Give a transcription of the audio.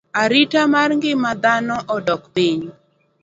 Arita mar ngima dhano odok piny.